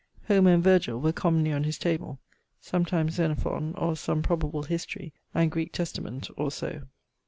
Homer and Virgil were commonly on his table; sometimes Xenophon, or some probable historie, and Greek Testament, or so.